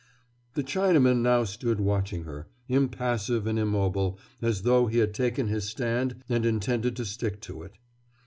The Chinaman now stood watching her, impassive and immobile, as though he had taken his stand and intended to stick to it.